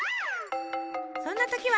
そんな時は！